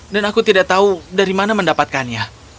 dan aku tidak tahu dari mana mendapatkannya